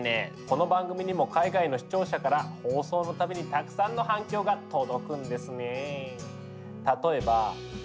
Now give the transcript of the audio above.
この番組にも海外の視聴者から放送の度にたくさんの反響が届くんですね。